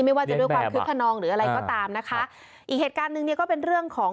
ไม่ว่าจะด้วยความคึกขนองหรืออะไรก็ตามนะคะอีกเหตุการณ์หนึ่งเนี่ยก็เป็นเรื่องของ